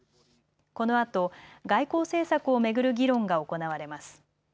このあと外交政策を巡る議論が行われます。